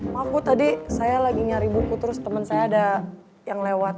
maaf bu tadi saya lagi nyari buku terus temen saya ada yang lewat